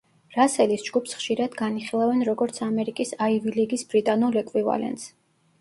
რასელის ჯგუფს ხშირად განიხილავენ როგორც ამერიკის აივი ლიგის ბრიტანულ ეკვივალენტს.